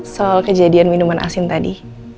soal kejadian minuman asin tadi